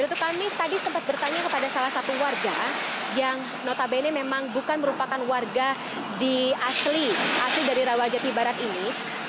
ya itu kami tadi sempat bertanya kepada salah satu warga yang notabene memang bukan merupakan warga di asli asli dari rawajati barat ini